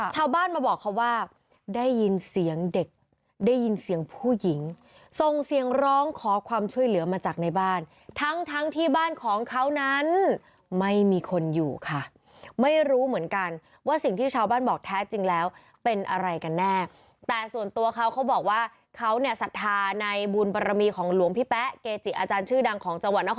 ชาวบ้านมาบอกเขาว่าได้ยินเสียงเด็กได้ยินเสียงผู้หญิงส่งเสียงร้องขอความช่วยเหลือมาจากในบ้านทั้งทั้งที่บ้านของเขานั้นไม่มีคนอยู่ค่ะไม่รู้เหมือนกันว่าสิ่งที่ชาวบ้านบอกแท้จริงแล้วเป็นอะไรกันแน่แต่ส่วนตัวเขาเขาบอกว่าเขาเนี่ยศรัทธาในบุญบรมีของหลวงพี่แป๊เกจิอาจารย์ชื่อดังของจังหวัดนคร